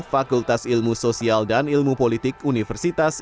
fakultas ilmu sosial dan ilmu politik universitas